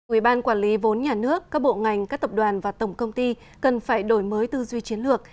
ủy ban quản lý vốn nhà nước các bộ ngành các tập đoàn và tổng công ty cần phải đổi mới tư duy chiến lược